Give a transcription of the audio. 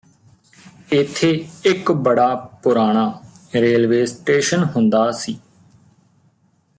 ਏਥੇ ਇਕ ਬੜਾ ਪੁਰਾਣਾ ਰੇਲਵੇ ਸਟੇਸ਼ਨ ਹੁੰਦਾ ਸੀ